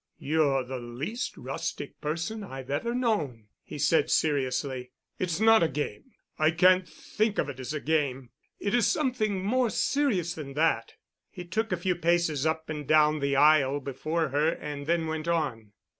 "You're the least rustic person I've ever known," he said seriously. "It's not a game. I can't think of it as a game. It is something more serious than that." He took a few paces up and down the aisle before her and then went on.